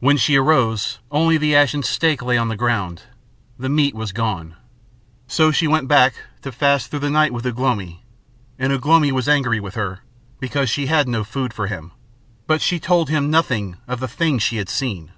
When she arose only the ashen stake lay on the ground, the meat was gone. So she went back, to fast through the night with Ugh lomi; and Ugh lomi was angry with her, because she had no food for him; but she told him nothing of the things she had seen.